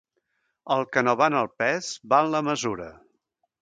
El que no va en el pes, va en la mesura.